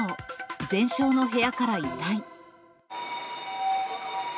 全焼の部屋から遺体。